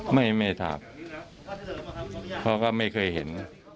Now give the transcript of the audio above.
ไม่ไม่ทราบเพราะว่าไม่เคยเห็น